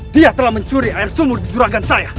dia telah mencuri air sumur di suragan saya